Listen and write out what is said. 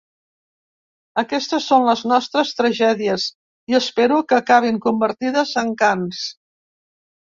Aquestes són les nostres tragèdies i espero que acabin convertides en cants.